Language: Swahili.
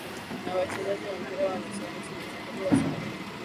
na wachezaji wa mpira wanasayansi mashuhuri wasanii na